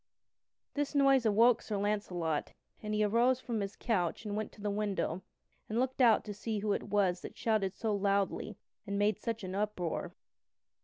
This noise awoke Sir Launcelot, and he arose from his couch and went to the window and looked out to see who it was that shouted so loudly and made such uproar.